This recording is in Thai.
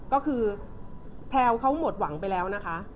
ก็คือแพลวเขาหมดหวังไปแล้วนะคะ